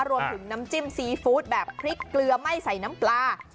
รวมถึงน้ำจิ้มซีฟู้ดแบบพริกเกลือไม่ใส่น้ำปลา